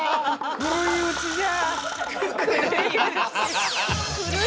◆狂い打ちじゃー。